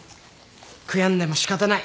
悔やんでも仕方ない。